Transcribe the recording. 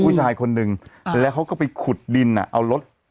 ผู้ชายคนนึงแล้วเขาก็ไปขุดดินอ่ะเอารถ